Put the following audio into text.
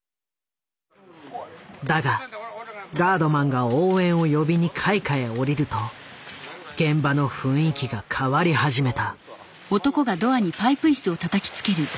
だがガードマンが応援を呼びに階下へ下りると現場の雰囲気が変わり始めた。